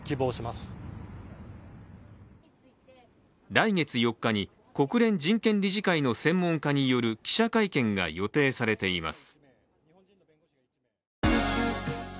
来月４日に、国連人権理事会の専門家による記者会見が予定されています。